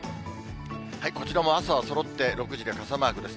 こちらも朝はそろって、６時で傘マークです。